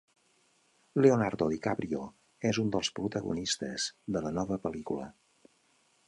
Leonardo DiCaprio és un dels protagonistes de la nova pel·lícula.